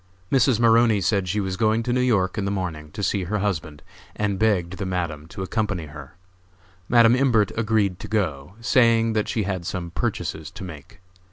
Mrs. Maroney said she was going to New York in the morning to see her husband, and begged the Madam to accompany her. Madam Imbert agreed to go, saying that she had some purchases to make.